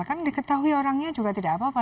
kan diketahui orangnya juga tidak apa apa